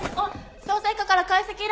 捜査一課から解析依頼